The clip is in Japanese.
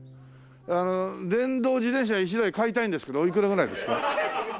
あの電動自転車１台買いたいんですけどおいくらぐらいですか？